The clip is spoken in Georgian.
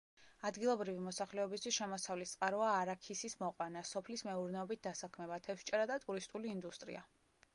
ადგილობრივი მოსახლეობისთვის შემოსავლის წყაროა არაქისის მოყვანა, სოფლის მეურნეობით დასაქმება, თევზჭერა და ტურისტული ინდუსტრია.